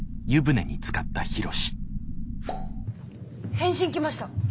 返信来ました！